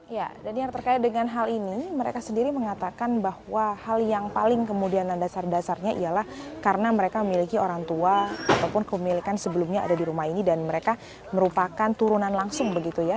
ya daniar terkait dengan hal ini mereka sendiri mengatakan bahwa hal yang paling kemudian dan dasar dasarnya ialah karena mereka memiliki orang tua ataupun kepemilikan sebelumnya ada di rumah ini dan mereka merupakan turunan langsung begitu ya